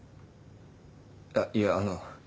あっいやあの。